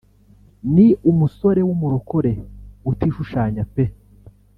ni umusore w’umurokore utishushanya pe